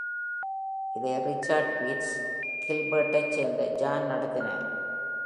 இதை Richard Fitz கில்பெர்ட்டைச் சேர்ந்த ஜான் நடத்தினார்.